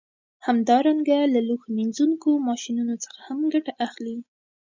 همدارنګه له لوښو مینځونکو ماشینونو څخه هم ګټه اخلي